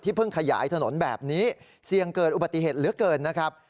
เพิ่งขยายถนนแบบนี้เสี่ยงเกิดอุบัติเหตุเหลือเกินนะครับ